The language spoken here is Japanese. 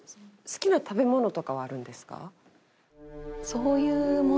好きな食べ物とかはあるんですか？